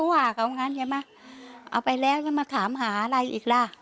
ก็ว่าเขาเอาไปแล้วจะมาถามหาอะไรอีกล่ะ